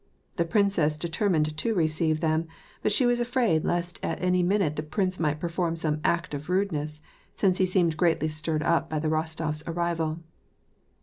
The princess deter mined to receive them, but she was afraid lest at any minute the prince might perform some act of rudeness, since he seemed greatly stirred up by the Rostofs' arrival.